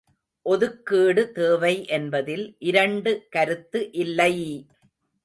ஒதுக்கீடு தேவை என்பதில் இரண்டு கருத்து இல்லை!